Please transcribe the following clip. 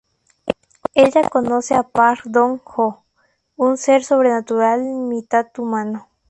Ella conoce a Park Dong Joo, un ser sobrenatural mitad humano.